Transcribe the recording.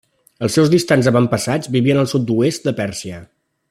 Els seus distants avantpassats vivien al sud-oest de Pèrsia.